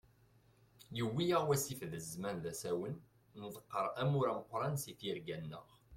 Yewwi-yaɣ wasif n zzman d asawen, nḍeqqer amur ameqran si tirga-nneɣ.